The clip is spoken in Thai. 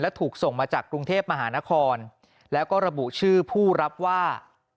ถูกส่งมาจากกรุงเทพมหานครแล้วก็ระบุชื่อผู้รับว่า